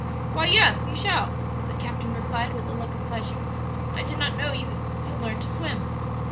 "Why yes, you shall," the captain replied, with a look of pleasure; "I did not know that you had learned to swim."